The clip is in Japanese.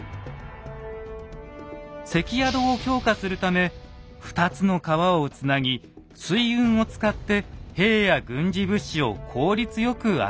関宿を強化するため２つの川をつなぎ水運を使って兵や軍事物資を効率よく集める。